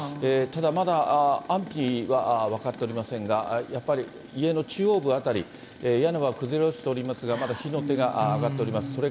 ただ、まだ安否は分かっておりませんが、やっぱり家の中央部辺り、屋根は崩れ落ちておりますが、まだ火の手が上がっております。